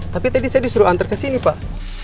tapi tadi saya disuruh antar kesini pak